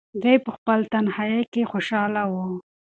دی په خپل تنهایۍ کې خوشحاله و.